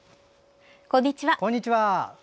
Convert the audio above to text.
こんにちは。